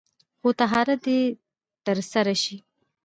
خو طهارت دې تر سره شي.